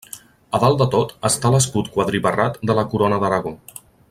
A dalt de tot està l'escut quadribarrat de la Corona d'Aragó.